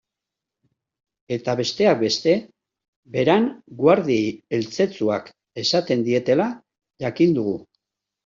Eta, besteak beste, Beran guardiei eltzetzuak esaten dietela jakin dugu.